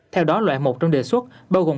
theo đó loại một trong đề xuất bao gồm